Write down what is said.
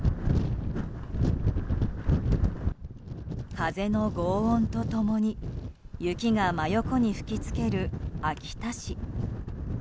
風の轟音と共に雪が真横に吹き付ける秋田市。